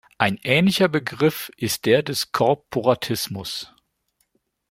Ein ähnlicher Begriff ist der des Korporatismus.